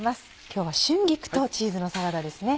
今日は春菊とチーズのサラダですね。